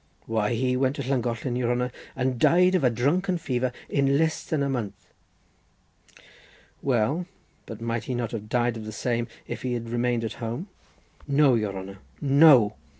"Why, he went to Llangollen, your honour, and died of a drunken fever in less than a month." "Well, but might he not have died of the same, if he had remained at home?" "No, your honour, no!